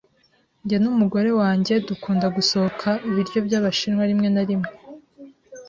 Jye n'umugore wanjye dukunda gusohoka ibiryo byabashinwa rimwe na rimwe.